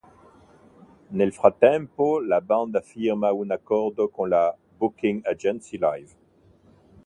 Nel frattempo la band firma un accordo con la Booking Agency Live.